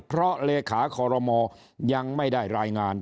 เพราะเลขาคอรมอยังไม่ได้รายงาน